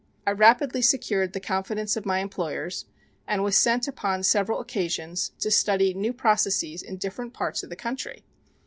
I rapidly secured the confidence of my employers and was sent upon several occasions to study new processes in different parts of the country.